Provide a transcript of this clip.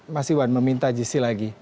mas iwan meminta gc lagi